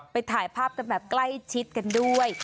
ถ่ายภาพกันแบบใกล้ชิดกันด้วย